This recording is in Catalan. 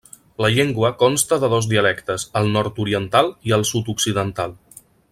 La llengua consta de dos dialectes, el nord-oriental i el sud-occidental.